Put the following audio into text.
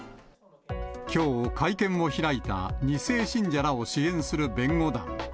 きょう、会見を開いた、２世信者らを支援する弁護団。